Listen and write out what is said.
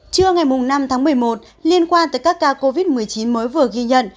trưa ngày năm tháng một mươi một liên quan tới các ca covid một mươi chín mới vừa ghi nhận